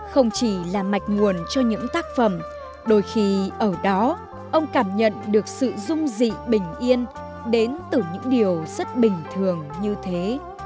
không chỉ là mạch nguồn cho những tác phẩm đôi khi ở đó ông cảm nhận được sự dung dị bình yên đến từ những điều rất bình thường như thế